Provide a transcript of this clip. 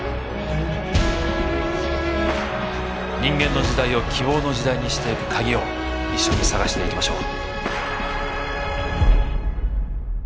人間の時代を希望の時代にしていく鍵を一緒に探していきましょう。